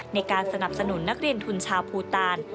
ในการสนับสนุนนักเรียนทุนชาวภูตาล